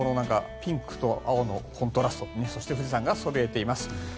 ピンクと青のコントラストそして富士山がそびえています。